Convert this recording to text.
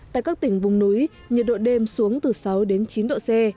tại các tỉnh vùng núi nhiệt độ đêm xuống từ sáu đến chín độ c